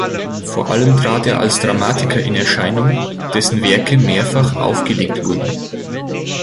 Vor allem trat er als Dramatiker in Erscheinung, dessen Werke mehrfach aufgelegt wurden.